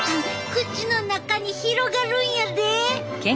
口の中に広がるんやで！